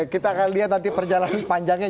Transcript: kita akan lihat nanti perjalanan panjangnya